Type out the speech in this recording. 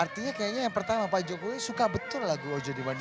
artinya kayaknya yang pertama pak jokowi suka betul lagu ojo di bandung